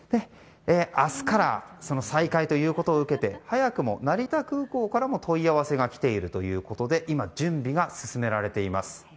明日から再開ということを受けて早くも成田空港からも問い合わせが来ているということで今、準備が進められています。